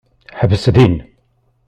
Ḥbes din.